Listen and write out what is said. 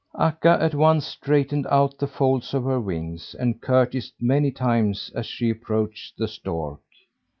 Akka at once straightened out the folds of her wings, and curtsied many times as she approached the stork.